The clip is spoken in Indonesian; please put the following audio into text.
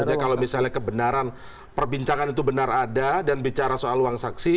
jadi maksudnya kalau misalnya kebenaran perbincangan itu benar ada dan bicara soal uang saksi